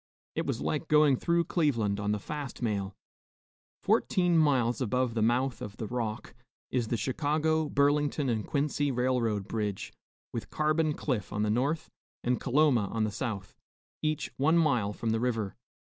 It was like going through Cleveland on the fast mail. Fourteen miles above the mouth of the Rock, is the Chicago, Burlington and Quincy railroad bridge, with Carbon Cliff on the north and Coloma on the south, each one mile from the river.